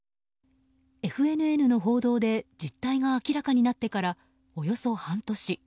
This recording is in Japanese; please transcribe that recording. ＦＮＮの報道で実態が明らかになってからおよそ半年。